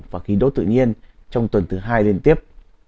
và khí đốt tự nhiên trong tuần thứ hai liên tiếp